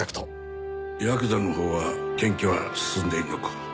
ヤクザのほうは検挙は進んでいるのか？